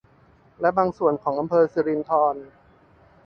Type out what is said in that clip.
และบางส่วนของอำเภอสิรินธร